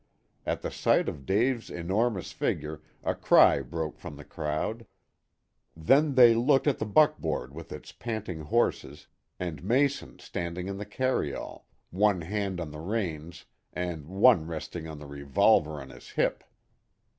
At the sight of Dave's enormous figure a cry broke from the crowd. Then they looked at the buckboard with its panting horses, and Mason standing in the carryall, one hand on the reins and one resting on the revolver on his hip.